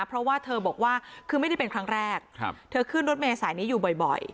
เพราะว่าเธอบอกว่าคือไม่ได้เป็นครั้งแรกเธอขึ้นรถเมษายนี้อยู่บ่อย